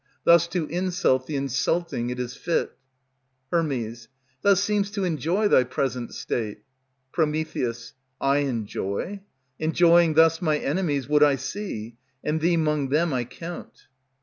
Thus to insult the insulting it is fit. Her. Thou seem'st to enjoy thy present state. Pr. I enjoy? Enjoying thus my enemies Would I see; and thee 'mong them I count.